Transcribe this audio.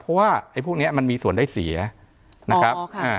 เพราะว่าไอ้พวกนี้มันมีส่วนได้เสียนะครับ